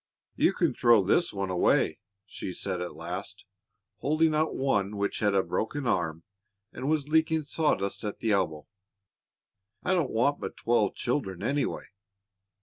"You can throw this one away," she said at last, holding out one which had a broken arm, and was leaking sawdust at the elbow; "I don't want but twelve children, anyway."